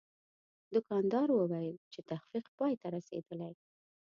دوکاندار وویل چې تخفیف پای ته رسیدلی.